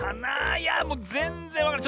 いやもうぜんぜんわからない。